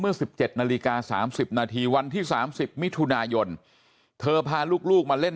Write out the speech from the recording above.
๑๗นาฬิกา๓๐นาทีวันที่๓๐มิถุนายนเธอพาลูกมาเล่น